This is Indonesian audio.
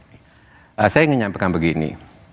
saya ingin menyampaikan begini